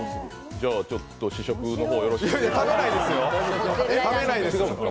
じゃ、ちょっと試食の方をよろしく。